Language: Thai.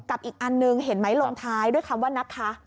อีกอันหนึ่งเห็นไหมลงท้ายด้วยคำว่านะคะ